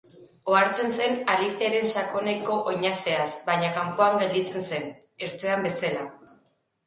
Ohartzen zen Aliceren sakoneko oinazeaz, baina kanpoan gelditzen zen, ertzean bezala.